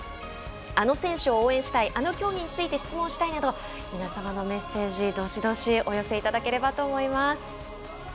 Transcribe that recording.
あの選手を応援したいあの競技について質問したいなど皆様のメッセージどしどしお寄せいただければと思います。